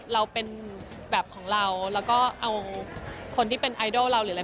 เราเป็นแบบของเราแล้วก็เอาคนที่เป็นไอดอลเราหรืออะไร